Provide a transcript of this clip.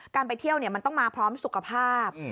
ไปเที่ยวมันต้องมาพร้อมสุขภาพ